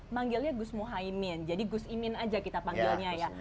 manggilnya gus muhaymin jadi gus imin aja kita panggilnya ya